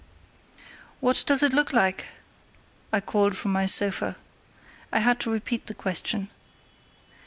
"What does it look like?" I called from my sofa. I had to repeat the question.